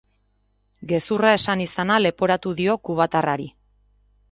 Gezurra esan izana leporatu dio kubatarrari.